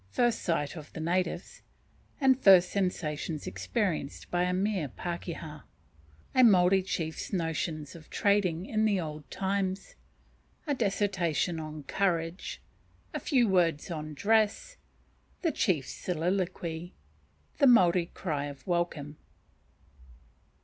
First Sight of the Natives, and First Sensations experienced by a mere Pakeha. A Maori Chief's Notions of Trading in the Old Times. A Dissertation on "Courage." A few Words on Dress. The Chief's Soliloquy. The Maori Cry of Welcome.